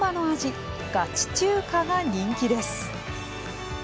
ガチ中華が人気です。